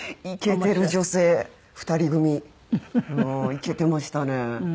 もうイケてましたね。